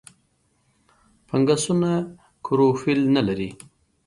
فنګسونه کلوروفیل نه لري.